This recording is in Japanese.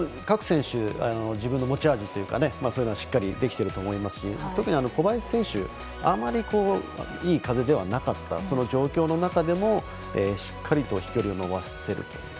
各選手自分の持ち味というかそういうのをしっかりとできてると思いますし特に小林選手、あまりいい風ではなかったその状況の中でもしっかりと飛距離を伸ばせる。